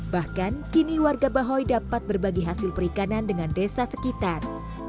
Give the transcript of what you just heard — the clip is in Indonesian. bahkan kini warga bahoy dapat berbagi hasil perikanan dengan desa sekitar